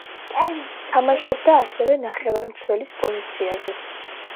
თამაშობდა ასევე, ნახევარმცველის პოზიციაზეც.